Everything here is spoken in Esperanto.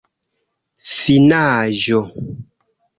finaĵo